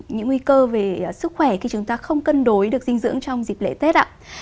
những nguy cơ về sức khỏe khi chúng ta không cân đối được dinh dưỡng trong dịp lễ tết ạ